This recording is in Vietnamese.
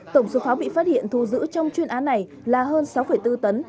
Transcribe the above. tổng số pháo bị phát hiện thu giữ trong chuyên án này là hơn sáu bốn tấn